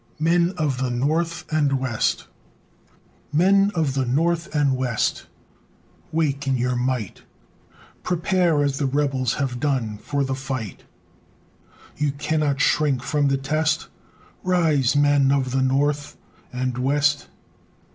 MEN OF THE NORTH AND WEST Men of the North and West, Wake in your might, Prepare, as the rebels have done, For the fight! You cannot shrink from the test; Rise! Men of the North and West!